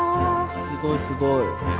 すごいすごい。